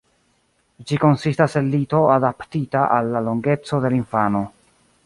Ĝi konsistas el lito adaptita al la longeco de la infano.